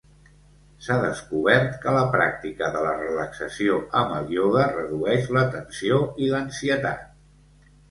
S'ha descobert que la pràctica de la relaxació amb el ioga redueix la tensió i l'ansietat.